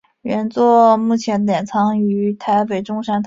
原作目前典藏于台北中山堂。